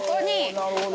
「なるほど」